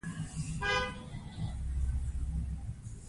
موږ د یوې واحدې کورنۍ غړي یو.